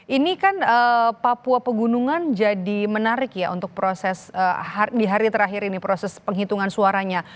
ini kan papua pegunungan jadi menarik ya untuk proses di hari terakhir ini proses penghitungan suaranya